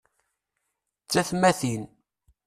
D tatmatin.